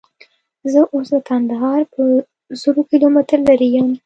زه اوس له کندهاره په زرو کیلومتره لیرې یم.